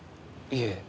いえ。